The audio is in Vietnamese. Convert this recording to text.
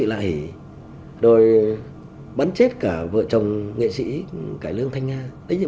bắt cóc con của bác sĩ lại rồi bắn chết cả vợ chồng nghệ sĩ cải lương thanh nga